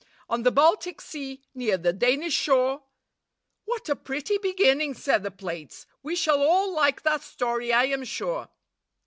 On the Baltic Sea, near the Danish shore —' 196 ' What a pretty beginning! ' said the plates. ' We shall all like that story, I am sure.